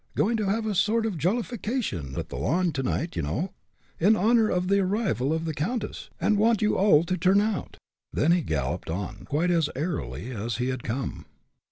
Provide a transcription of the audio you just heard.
Going to have a sort of a jollification at the lawn to night, you know, in honor of the arrival of the countess, and want you all to turn out." Then he galloped on, quite as airily as he had come.